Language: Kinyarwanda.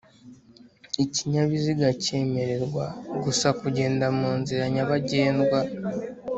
Ikinyabiziga cyemererwa gusa kugenda mu nzira nyabagendwa